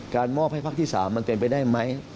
มอบให้พักที่๓มันเป็นไปได้ไหม